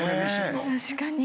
確かに。